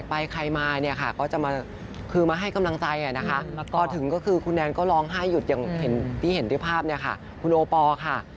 พอถึงก็คือคุณแนนก็ร้องไห้หยุดอย่างที่เห็นที่ภาพคุณโอปอล์ค่ะ